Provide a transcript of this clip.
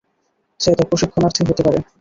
সে তার প্রশিক্ষণার্থী হতে পারে।